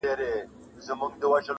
هم ملگری یې قاضي وو هم کوټوال وو٫